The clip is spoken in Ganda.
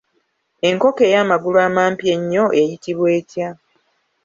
Enkoko ey’amagulu amampi ennyo eyitibwa etya?